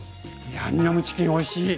ヤンニョムチキンおいしい。